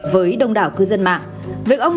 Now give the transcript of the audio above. với đông đảo cư dân mạng